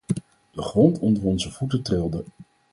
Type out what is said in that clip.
De grond onder onze voeten trilde.